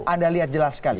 anda lihat jelas sekali